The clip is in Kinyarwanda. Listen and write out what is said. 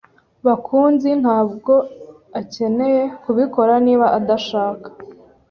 Bakunzi ntabwo akeneye kubikora niba adashaka.